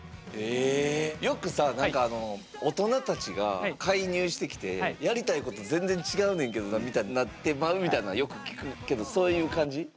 よくさあなんかあの大人たちが介入してきてやりたいこと全然違うねんけどなみたいになってまうみたいなんよく聞くけどそういう感じ？